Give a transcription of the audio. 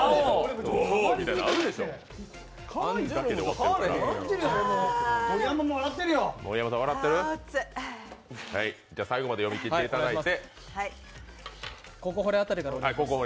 では最後まで読み切っていただいて。